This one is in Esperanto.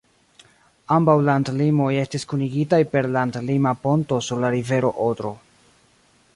Ambaŭ landlimoj estis kunigitaj per landlima ponto sur la rivero Odro.